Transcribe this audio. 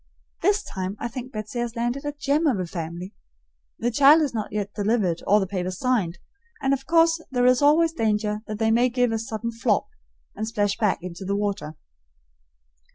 This time I think Betsy has landed a gem of a family. The child is not yet delivered or the papers signed, and of course there is always danger that they may give a sudden flop, and splash back into the water.